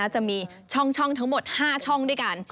จะมีช่องทั้งหมด๕ช่องด้วยกัน